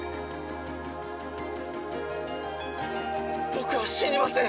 僕は死にません。